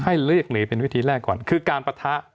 ให้เลขหนีเป็นวิธีแรกก่อนคือการปะทะ